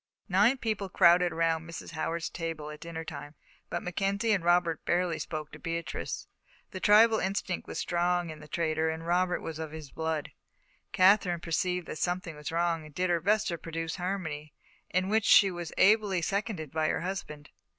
Nine people crowded around Mrs. Howard's table at dinner time, but Mackenzie and Robert barely spoke to Beatrice. The tribal instinct was strong in the trader, and Robert was of his blood. Katherine perceived that something was wrong and did her best to produce harmony, in which she was ably seconded by her husband.